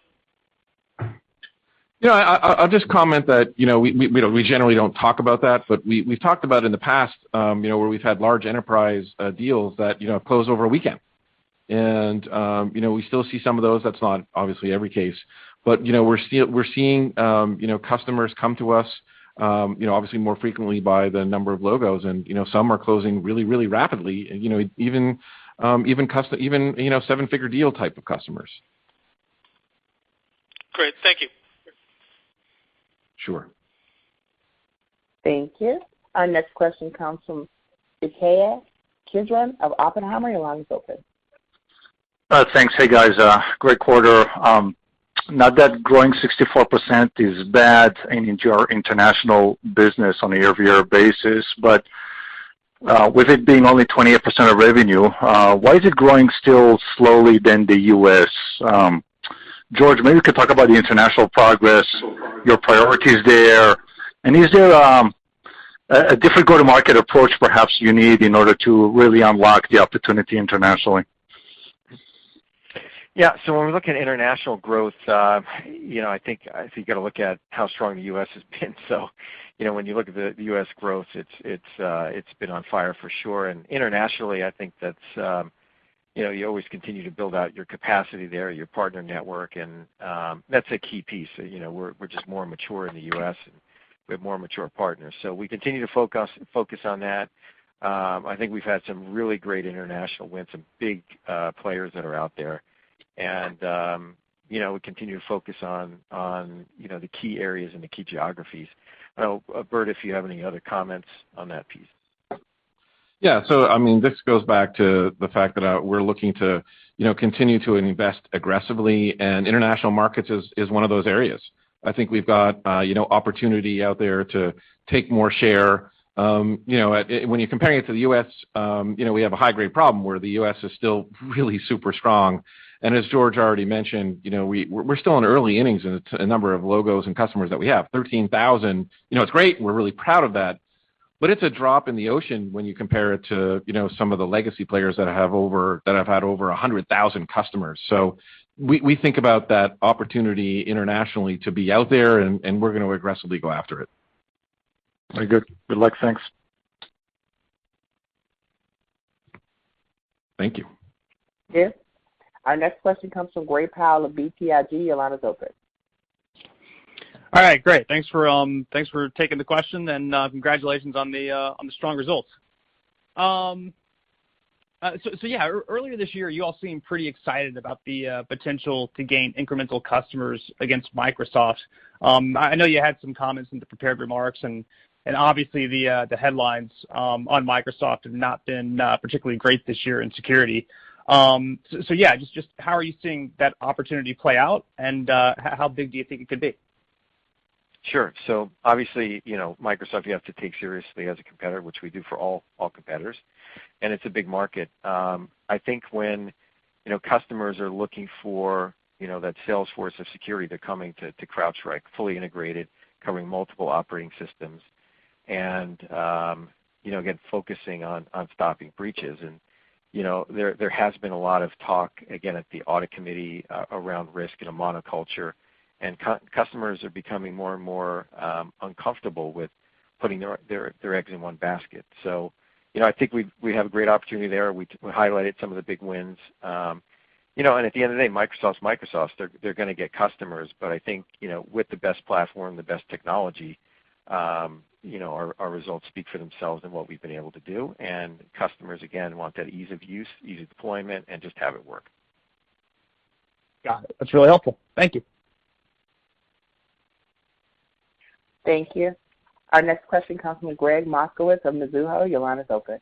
I'll just comment that we generally don't talk about that, but we've talked about in the past where we've had large enterprise deals that close over a weekend. We still see some of those. That's not obviously every case, but we're seeing customers come to us obviously more frequently by the number of logos, and some are closing really rapidly, even seven-figure deal type of customers. Great. Thank you. Sure. Thank you. Our next question comes from Ittai Kidron of Oppenheimer. Your line is open. Thanks. Hey, guys. Great quarter. Not that growing 64% is bad in your international business on a year-over-year basis, but with it being only 28% of revenue, why is it growing still slower than the U.S.? George, maybe you could talk about the international progress, your priorities there, and is there a different go-to-market approach perhaps you need in order to really unlock the opportunity internationally? Yeah. When we look at international growth, I think you got to look at how strong the U.S. has been. When you look at the U.S. growth, it's been on fire for sure, and internationally, I think that you always continue to build out your capacity there, your partner network, and that's a key piece. We're just more mature in the U.S., and we have more mature partners. We continue to focus on that. I think we've had some really great international wins, some big players that are out there, and we continue to focus on the key areas and the key geographies. Burt, if you have any other comments on that piece. Yeah. This goes back to the fact that we're looking to continue to invest aggressively, and international markets is one of those areas. I think we've got opportunity out there to take more share. When you're comparing it to the U.S., we have a high-grade problem where the U.S. is still really super strong. As George already mentioned, we're still in early innings in a number of logos and customers that we have 13,000, it's great. We're really proud of that, but it's a drop in the ocean when you compare it to some of the legacy players that have had over 100,000 customers. We think about that opportunity internationally to be out there, and we're going to aggressively go after it. Very good. Good luck. Thanks. Thank you. Yes. Our next question comes from Gray Powell of BTIG. Your line is open. All right. Great. Thanks for taking the question, and congratulations on the strong results. Earlier this year, you all seemed pretty excited about the potential to gain incremental customers against Microsoft. I know you had some comments in the prepared remarks, and obviously the headlines on Microsoft have not been particularly great this year in security. Just how are you seeing that opportunity play out, and how big do you think it could be? Sure. Obviously, Microsoft you have to take seriously as a competitor, which we do for all competitors, and it's a big market. I think customers are looking for that Salesforce of security. They're coming to CrowdStrike fully integrated, covering multiple operating systems, and again, focusing on stopping breaches. There has been a lot of talk, again, at the audit committee around risk in a monoculture, and customers are becoming more and more uncomfortable with putting their eggs in one basket. I think we have a great opportunity there. We highlighted some of the big wins. At the end of the day, Microsoft's Microsoft, they're going to get customers, but I think, with the best platform, the best technology, our results speak for themselves and what we've been able to do. Customers, again, want that ease of use, ease of deployment, and just have it work. Got it. That's really helpful. Thank you. Thank you. Our next question comes from Gregg Moskowitz of Mizuho. Your line is open.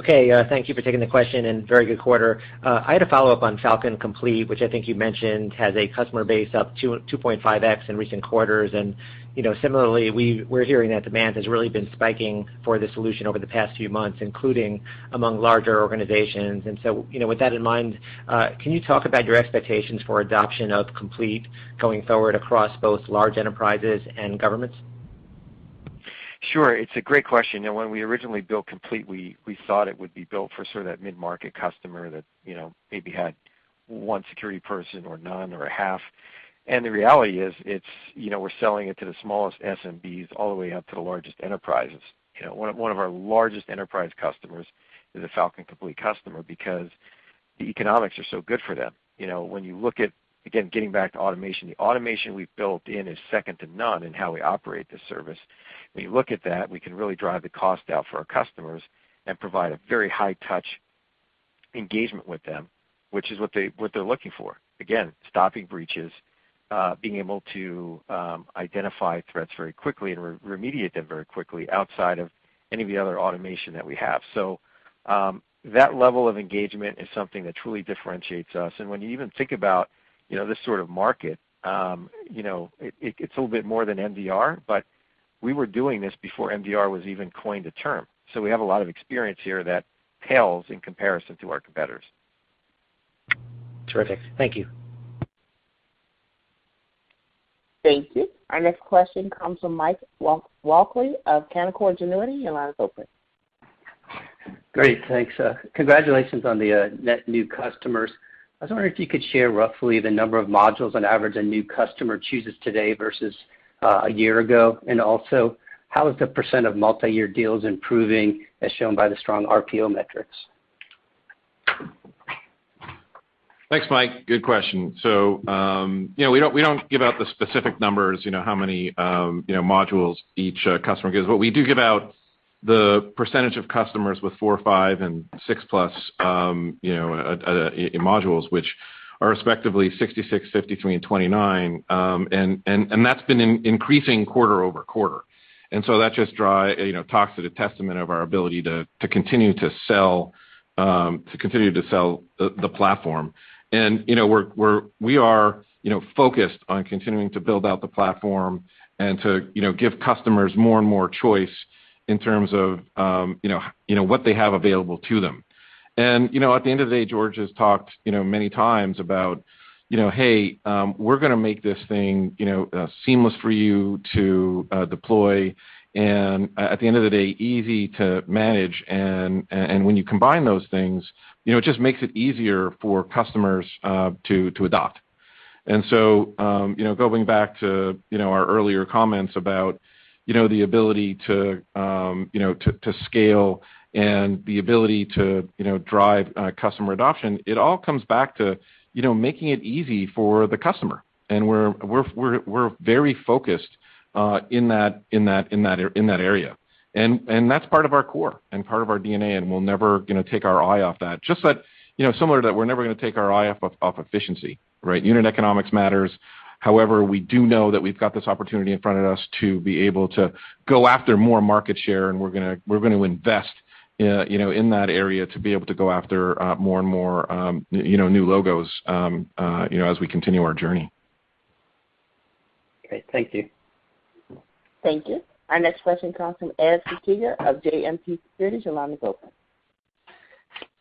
Okay, thank you for taking the question. Very good quarter. I had a follow-up on Falcon Complete, which I think you mentioned has a customer base up 2.5x in recent quarters. Similarly, we're hearing that demand has really been spiking for this solution over the past few months, including among larger organizations. With that in mind, can you talk about your expectations for adoption of Complete going forward across both large enterprises and governments? Sure. It's a great question. When we originally built Falcon Complete, we thought it would be built for sort of that mid-market customer that maybe had one security person or none or a half. The reality is, we're selling it to the smallest SMBs all the way up to the largest enterprises. One of our largest enterprise customers is a Falcon Complete customer because the economics are so good for them. When you look at, again, getting back to automation, the automation we've built in is second to none in how we operate this service. When you look at that, we can really drive the cost out for our customers and provide a very high-touch engagement with them, which is what they're looking for. Again, stopping breaches, being able to identify threats very quickly and remediate them very quickly outside of any of the other automation that we have. That level of engagement is something that truly differentiates us. When you even think about this sort of market, it's a little bit more than MDR, but we were doing this before MDR was even coined a term. We have a lot of experience here that pales in comparison to our competitors. Terrific. Thank you. Thank you. Our next question comes from Mike Walkley of Canaccord Genuity. Your line is open. Great. Thanks. Congratulations on the net new customers. I was wondering if you could share roughly the number of modules on average a new customer chooses today versus a year ago. How is the percent of multi-year deals improving as shown by the strong RPO metrics? Thanks, Mike. Good question. We don't give out the specific numbers, how many modules each customer gives. But we do give out the percentage of customers with four, five, and six-plus modules, which are respectively 66, 50, 29, and that's been increasing quarter-over-quarter. That just talks to the testament of our ability to continue to sell the platform. We are focused on continuing to build out the platform and to give customers more and more choice in terms of what they have available to them. At the end of the day, George has talked many times about, "Hey, we're going to make this thing seamless for you to deploy and, at the end of the day, easy to manage." When you combine those things, it just makes it easier for customers to adopt. Going back to our earlier comments about the ability to scale and the ability to drive customer adoption, it all comes back to making it easy for the customer. We're very focused in that area. That's part of our core and part of our DNA, and we'll never take our eye off that. Just like similar to that we're never going to take our eye off efficiency, right? Unit economics matters. However, we do know that we've got this opportunity in front of us to be able to go after more market share, and we're going to invest in that area to be able to go after more and more new logos as we continue our journey. Great. Thank you. Thank you. Our next question comes from Erik Suppiger of JMP Securities. Your line is open.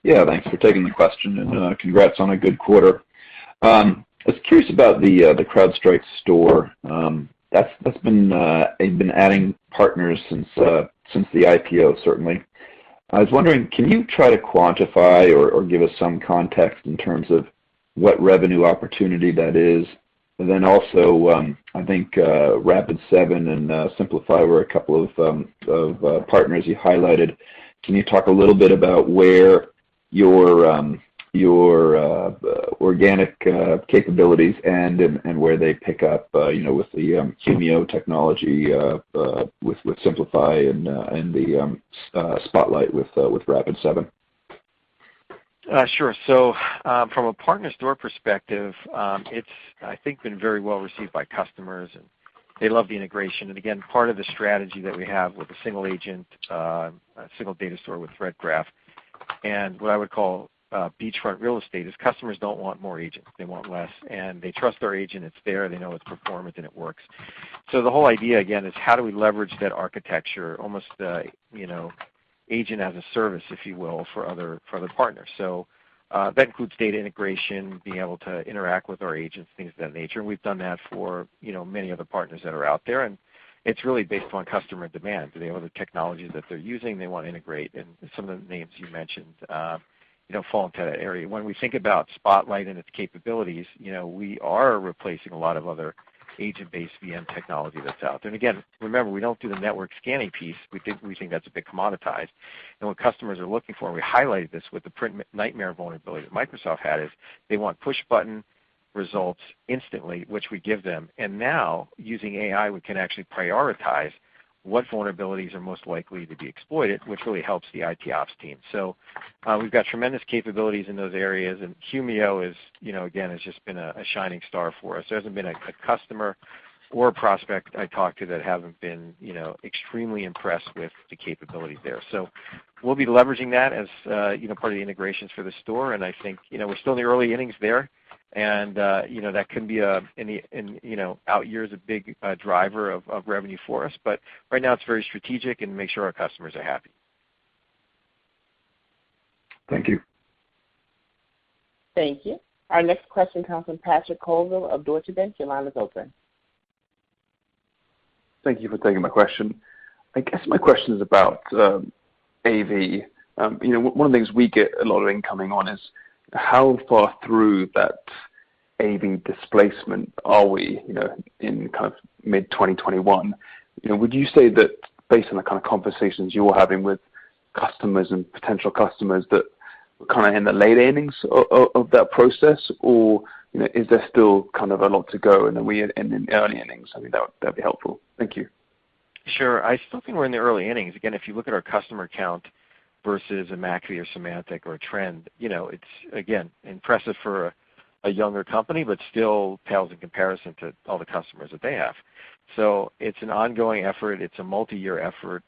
Thanks for taking the question, and congrats on a good quarter. I was curious about the CrowdStrike Store. That's been adding partners since the IPO, certainly. I was wondering, can you try to quantify or give us some context in terms of what revenue opportunity that is? I think Rapid7 and Siemplify were a couple of partners you highlighted. Can you talk a little bit about where your organic capabilities end and where they pick up with the Humio technology with Siemplify and the Spotlight with Rapid7? Sure. From a partner store perspective, it's, I think, been very well received by customers, and they love the integration. Again, part of the strategy that we have with a single agent, a single data store with Threat Graph, and what I would call beachfront real estate is customers don't want more agents. They want less, and they trust their agent. It's there. They know it's performant, and it works. The whole idea again is how do we leverage that architecture, almost the agent as a service, if you will, for other partners. That includes data integration, being able to interact with our agents, things of that nature. We've done that for many other partners that are out there, and it's really based on customer demand. Do they have other technologies that they're using they want to integrate? Some of the names you mentioned fall into that area. When we think about Falcon Spotlight and its capabilities, we are replacing a lot of other agent-based VM technology that's out there. Again, remember, we don't do the network scanning piece. We think that's a bit commoditized. What customers are looking for, and we highlighted this with the PrintNightmare vulnerability that Microsoft had, is they want push-button results instantly, which we give them. Now using AI, we can actually prioritize what vulnerabilities are most likely to be exploited, which really helps the IT ops team. We've got tremendous capabilities in those areas, and Humio, again, has just been a shining star for us. There hasn't been a customer or prospect I talked to that haven't been extremely impressed with the capability there. We'll be leveraging that as part of the integrations for the CrowdStrike Store, and I think we're still in the early innings there. That can be out years a big driver of revenue for us, but right now it's very strategic and make sure our customers are happy. Thank you. Thank you. Our next question comes from Patrick Colville of Deutsche Bank. Your line is open. Thank you for taking my question. I guess my question is about AV. One of the things we get a lot of incoming on is how far through that AV displacement are we in mid-2021? Would you say that based on the kind of conversations you're having with customers and potential customers that we're in the late innings of that process, or is there still a lot to go and then we're in the early innings? I think that'd be helpful. Thank you. Sure. I still think we're in the early innings. If you look at our customer count versus a McAfee or Symantec or a Trend, it's, again, impressive for a younger company, but still pales in comparison to all the customers that they have. It's an ongoing effort. It's a multi-year effort.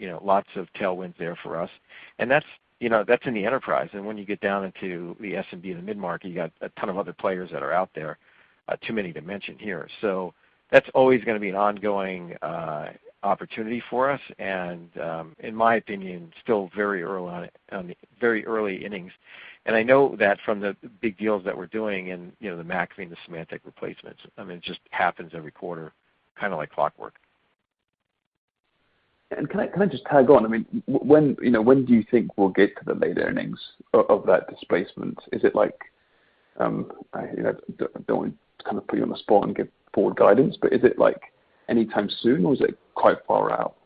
Lots of tailwinds there for us, and that's in the enterprise. When you get down into the SMB, the mid-market, you got a ton of other players that are out there. Too many to mention here. That's always going to be an ongoing opportunity for us, and in my opinion, still very early innings. I know that from the big deals that we're doing in the McAfee and the Symantec replacements, it just happens every quarter like clockwork. Can I just tag on? When do you think we'll get to the late innings of that displacement? I don't want to put you on the spot and give forward guidance, but is it anytime soon, or is it quite far out?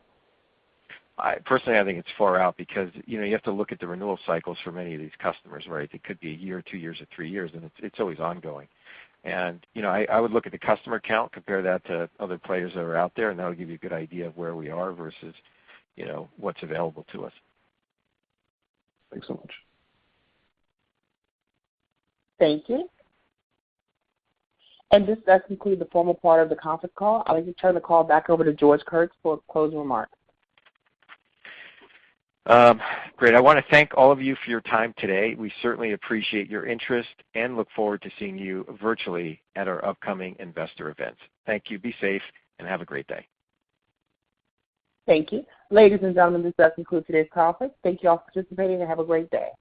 Personally, I think it's far out because you have to look at the renewal cycles for many of these customers, right? It could be a year or two years or three years. It's always ongoing. I would look at the customer count, compare that to other players that are out there. That'll give you a good idea of where we are versus what's available to us. Thanks so much. Thank you. This does conclude the formal part of the conference call. I would like to turn the call back over to George Kurtz for closing remarks. Great. I want to thank all of you for your time today. We certainly appreciate your interest and look forward to seeing you virtually at our upcoming investor events. Thank you. Be safe, and have a great day. Thank you. Ladies and gentlemen, this does conclude today's conference. Thank you all for participating, and have a great day.